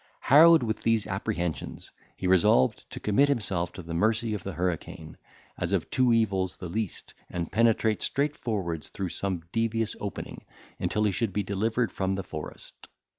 Harrowed with these apprehensions, he resolved to commit himself to the mercy of the hurricane, as of two evils the least, and penetrate straightforwards through some devious opening, until he should be delivered from the forest.